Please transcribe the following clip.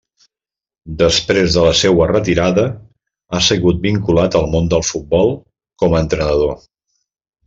Després de la seua retirada ha seguit vinculat al món del futbol com a entrenador.